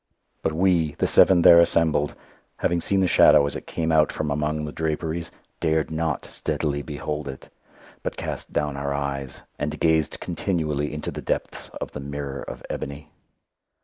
But we, the seven there assembled, having seen the shadow as it came out from among the draperies, dared not steadily behold it, but cast down our eyes, and gazed continually into the depths of the mirror of ebony.